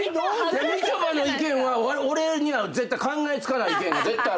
みちょぱの意見は俺には絶対考えつかない意見が絶対ある。